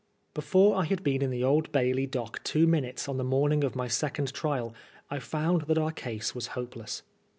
Befobb I had been in the Old Bailey dock two minutes on the morning of my second trial, I found that our case was hopeless.